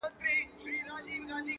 • زما پر ټوله وجود واک و اختیار ستا دی,